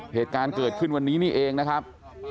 เหตุการณ์เกิดขึ้นวันนี้นี่เองนะครับ